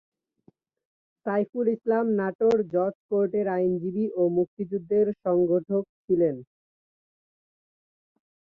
সাইফুল ইসলাম নাটোর জজ কোর্টের আইনজীবী ও মুক্তিযুদ্ধের সংগঠক ছিলেন।